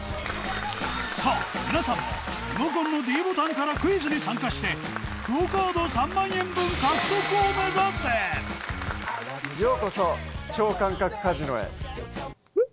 さあ皆さんリモコンのｄボタンからクイズに参加してＱＵＯカード３万円分獲得を目指せようこそ超感覚カジノへ。